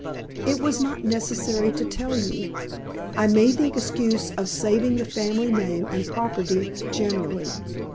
"It was not necessary to tell you. I made the excuse of saving the family name and property generally.